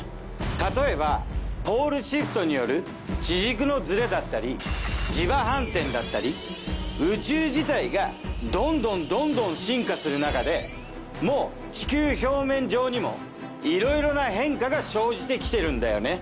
例えばポールシフトによる地軸のずれだったり磁場反転だったり宇宙自体がどんどんどんどん進化するなかでもう地球表面上にもいろいろな変化が生じてきてるんだよね。